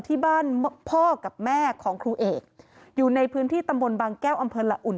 ที่บ้านพ่อกับแม่ของครูเอกอยู่ในพื้นที่ตำบลบางแก้วอำเภอละอุ่น